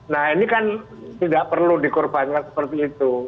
nah ini kan tidak perlu dikorbankan seperti itu